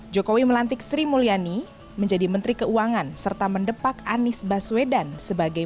jokowi melantik sri mulyani menjadi menteri keuangan serta mendepak anies baswedan sebagai